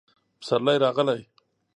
پسرلی راغلی